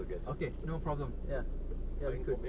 คาโกฮินีก็อฟเตน